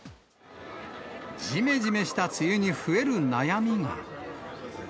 じめじめした梅雨に増える悩みが。